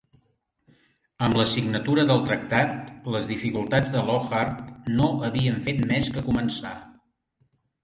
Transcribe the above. Amb la signatura del tractat, les dificultats de Lockhart no havien fet més que començar.